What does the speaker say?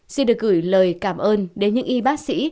xin được gửi lời cảm ơn đến những y bác sĩ